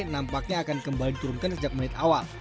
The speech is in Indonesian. nampaknya akan kembali diturunkan sejak menit awal